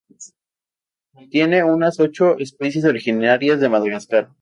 Contiene unas ocho especies originarias de Madagascar.